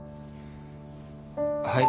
はい。